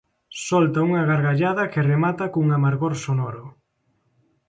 Solta unha gargallada que remata cun amargor sonoro.